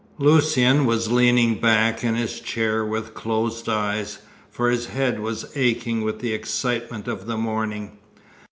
Lucian was leaning back in his chair with closed eyes, for his head was aching with the excitement of the morning.